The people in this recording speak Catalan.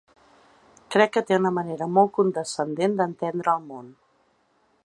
Crec que té una manera molt condescendent d’entendre el món.